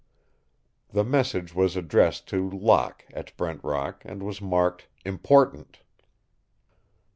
The message was addressed to Locke at Brent Rock and was marked "Important."